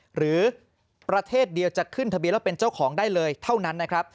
หรือประเทศเดียวจะขึ้นทะเบียนแล้วเป็นเจ้าของได้เลยเท่านั้นนะครับ